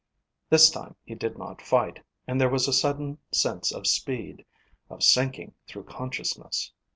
This time he did not fight, and there was a sudden sense of speed, of sinking through consciousness.